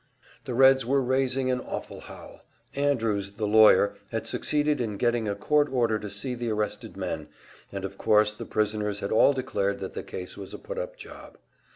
The Reds were raising an awful howl. Andrews, the lawyer, had succeeded in getting a court order to see the arrested men, and of course the prisoners had all declared that the case was a put up job.